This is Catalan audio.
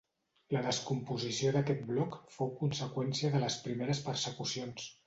La descomposició d'aquest bloc fou conseqüència de les primeres persecucions.